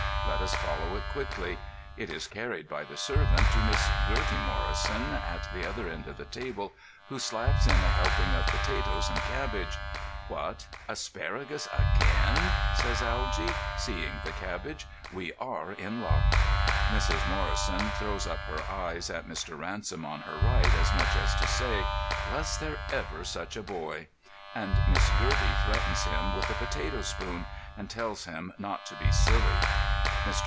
Let us follow it quickly. It is carried by the servant to Miss Gertie Morrison at the other end of the table, who slaps in a helping of potatoes and cabbage. "What, asparagus again?" says Algy, seeing the cabbage. "We are in luck." Mrs. Morrison throws up her eyes at Mr. Ransom on her right, as much as to say, "Was there ever such a boy?" and Miss Gertie threatens him with the potato spoon, and tells him not to be silly. Mr.